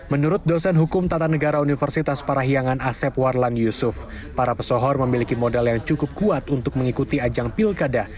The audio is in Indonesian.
menurut dosen hukum tata negara universitas parahiangan asep warlan yusuf para pesohor memiliki modal yang cukup kuat untuk mengikuti ajang pilkada